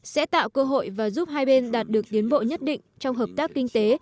sẽ tạo cơ hội và giúp hai bên đạt được tiến bộ nhất định trong hợp tác kinh tế